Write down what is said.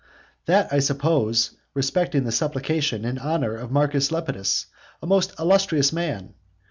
That, I suppose, respecting the supplication in honour of Marcus Lepidus, a most illustrious man!